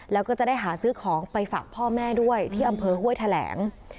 แล้วก็จะได้หาซื้อของไปฝากพ่อแม่ด้วยที่อำเภอห้วยแถลง